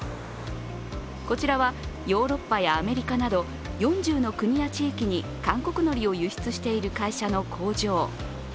こちらはヨーロッパやアメリカなど、４０の国や地域に韓国のりを輸出している会社の工場。